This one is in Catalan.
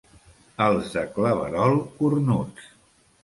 Els de Claverol, cornuts.